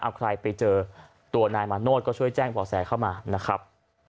เอาใครไปเจอตัวนายมาโนธก็ช่วยแจ้งบ่อแสเข้ามานะครับ